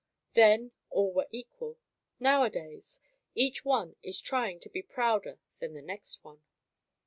Then, all were equal. Nowadays, each one is trying to be prouder than the next one.